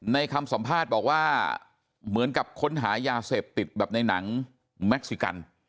คำสัมภาษณ์บอกว่าเหมือนกับค้นหายาเสพติดแบบในหนังแม็กซิกัน